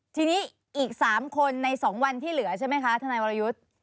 ทีนี้อีก๓คนใน๒วันที่เหลือใช่ไหมคะธนายวรยุทธ์